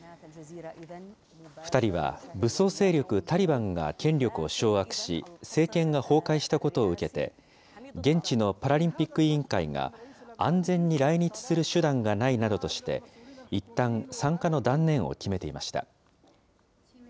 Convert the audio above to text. ２人は武装勢力タリバンが権力を掌握し、政権が崩壊したことを受けて、現地のパラリンピック委員会が安全に来日する手段がないなどとして、いったん参加の断念を決めていました。